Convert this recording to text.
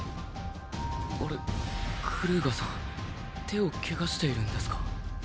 あれクルーガーさん手を怪我しているんですか？